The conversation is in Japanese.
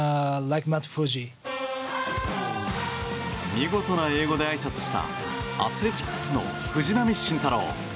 見事な英語であいさつしたアスレチックスの藤浪晋太郎。